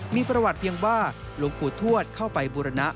มีประวัติเพียงว่าหลวงปู่ทวดเข้าไปบุรณะ